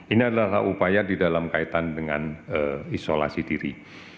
ini adalah upaya di dalam kaitan dengan isolasi diri